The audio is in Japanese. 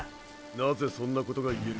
なぜそんなことが言える。